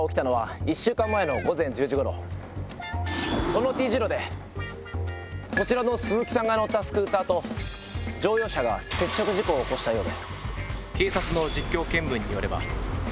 このＴ字路でこちらの鈴木さんが乗ったスクーターと乗用車が接触事故を起こしたようで。